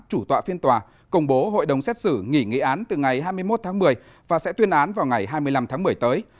chủ tọa phiên tòa công bố hội đồng xét xử nghỉ nghị án từ ngày hai mươi một tháng một mươi và sẽ tuyên án vào ngày hai mươi năm tháng một mươi tới